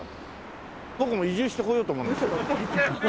僕も移住してこようと思うんですけど。